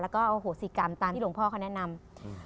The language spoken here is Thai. แล้วก็อโหสิกรรมตามที่หลวงพ่อเขาแนะนำ